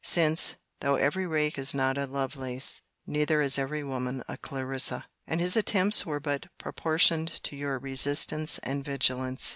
—Since, though every rake is not a LOVELACE, neither is every woman a CLARISSA: and his attempts were but proportioned to your resistance and vigilance.